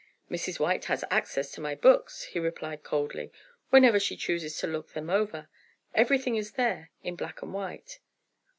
"Mrs. White has access to my books," he replied coldly, "whenever she chooses to look them over. Everything is there in black and white."